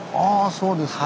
そうですか。